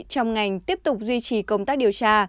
trong ngành tiếp tục duy trì công tác điều tra